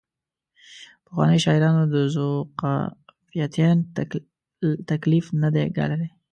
پخوانیو شاعرانو د ذوقافیتین تکلیف نه دی ګاللی.